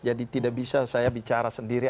jadi tidak bisa saya bicara sendiri